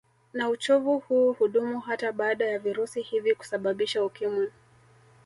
Na uchovu huu hudumu hata baada ya virusi hivi kusababisha Ukimwi